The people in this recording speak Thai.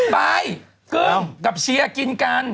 ไปกึ้งกับเชียร์กินกัน